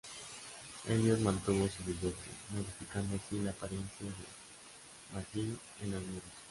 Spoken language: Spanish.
Elliott mantuvo su bigote, modificando así la apariencia de McGee en los libros.